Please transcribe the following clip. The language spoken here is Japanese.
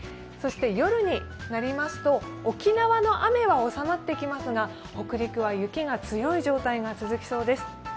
そして夜になりますと沖縄の雨は収まってきますが北陸は雪が強い状態が続きそうです。